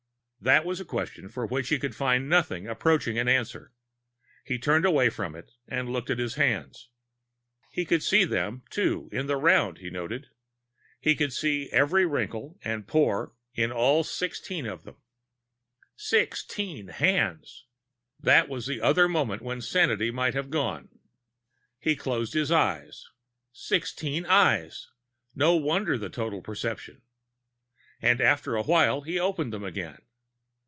That was a question for which he could find nothing approaching an answer. He turned away from it and looked at his hands. He could see them, too, in the round, he noted. He could see every wrinkle and pore in all sixteen of them.... Sixteen hands! That was the other moment when sanity might have gone. He closed his eyes. (Sixteen eyes! No wonder the total perception!) And, after a while, he opened them again.